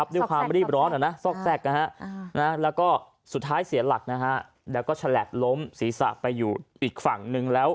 แล้วก็ชลัดล้มศีรษะไปอยู่อีกฝั่งนึงแล้ว